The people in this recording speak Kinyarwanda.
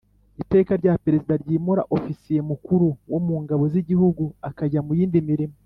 Iteka rya Perezida ryimura Ofisiye Mukuru wo mu Ngabo z Igihugu akajya mu yindi mirimo